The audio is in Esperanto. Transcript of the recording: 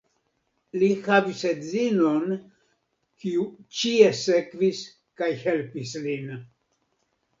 Li havis edzinon, kiu ĉie sekvis kaj helpis lin.